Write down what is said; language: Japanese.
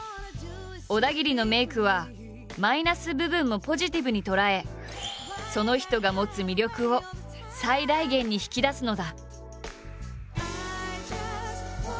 小田切のメイクはマイナス部分もポジティブに捉えその人が持つ魅力を最大限に引き出すのだ。